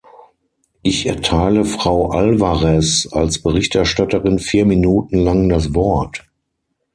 Ich erteile Frau Alvarez als Berichterstatterin vier Minuten lang das Wort.